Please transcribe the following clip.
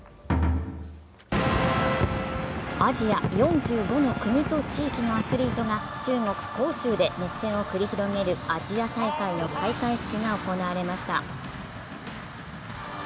アジア４５の国と地域のアスリートが中国・杭州で熱戦を繰り広げるアジア大会の開会式が行われました。